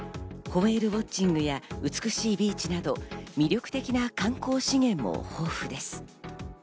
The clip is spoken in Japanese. ホエールウオッチングや美しいビーチなど魅力的な観光資源も豊富です。